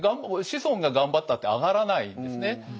子孫が頑張ったって上がらないんですね。